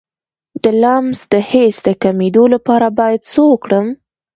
د لمس د حس د کمیدو لپاره باید څه وکړم؟